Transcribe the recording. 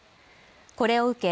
これを受け